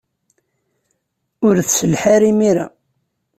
Ur tselleḥ ara imir-a.